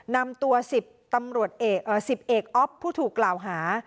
นำตัวสิบตำรวจเอกเอ่อสิบเอกอ๊อฟผู้ถูกกล่าวหา